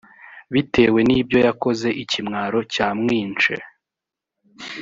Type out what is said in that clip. bitewe nibyo yakoze ikimwaro cya mwinshe